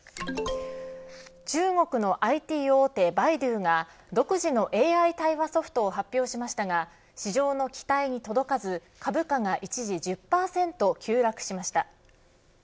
中国のＩＴ大手、百度が独自のＡＩ対話ソフトを発表しましたが市場の期待に届かず株価が一時１０％急落しました。